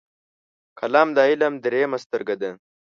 قلم د علم دریمه سترګه ده